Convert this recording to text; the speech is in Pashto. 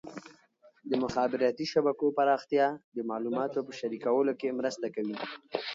د مخابراتي شبکو پراختیا د معلوماتو په شریکولو کې مرسته کوي.